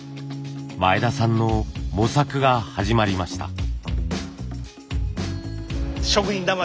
前田さんの模索が始まりました。